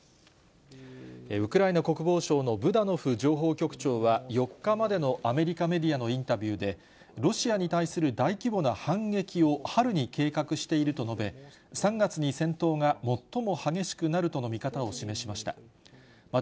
ウクライナ国防省のブダノフ情報局長は、４日までのアメリカメディアのインタビューで、ロシアに対する大規模な反撃を春に計画していると述べ、３月に戦闘が最も激しくなるとの見方を示しました。